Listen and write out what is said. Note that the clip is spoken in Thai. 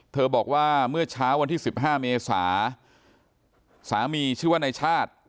บอกว่าเมื่อเช้าวันที่๑๕เมษาสามีชื่อว่านายชาติ